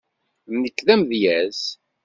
Nekk d amedyaz.